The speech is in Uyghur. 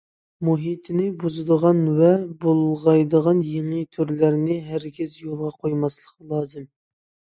مۇھىتنى بۇزىدىغان ۋە بۇلغايدىغان يېڭى تۈرلەرنى ھەرگىز يولغا قويماسلىق لازىم.